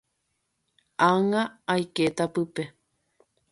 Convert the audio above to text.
Ág̃a aikéta pype.